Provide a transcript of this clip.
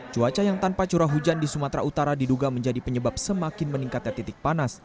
cuaca yang tanpa curah hujan di sumatera utara diduga menjadi penyebab semakin meningkatnya titik panas